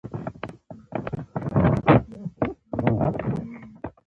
ده ورته وویل په کمپ کې به واښه ورېبم.